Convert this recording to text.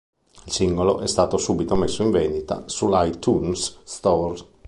Il singolo è stato subito messo in vendita sull'iTunes Store.